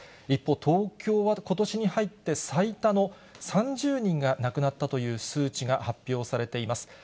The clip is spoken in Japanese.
一方、東京はことしに入って最多の３０人が亡くなったという数値が発表されています。